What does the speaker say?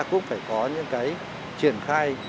cũng phải có những cái triển khai